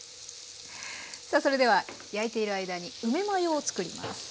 さあそれでは焼いている間に梅マヨを作ります。